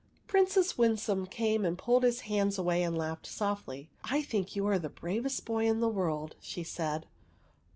Princess Winsome came and pulled his hands away and laughed softly. *'/ think you are the bravest boy in the world," she said.